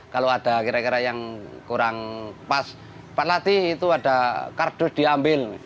kalau ada kira kira yang kurang pas empat latih itu ada kardus diambil